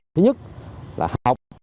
thứ nhất là học